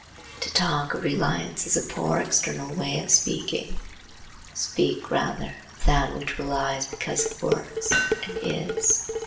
To talk of reliance is a poor external way of speaking. Speak rather of that which relies because it works and is.